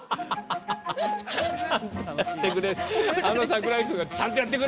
あの櫻井君がちゃんとやってくれ！